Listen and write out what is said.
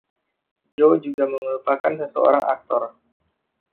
Joe juga merupakan seorang aktor.